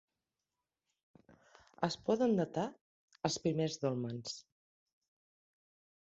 Es poden datar els primers dòlmens.